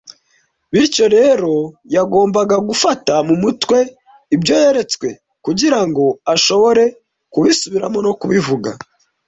Bityo rero, yagombaga gufata mu mutwe ibyo yeretswe kugira ngo ashobore kubisubiramo no kubivuga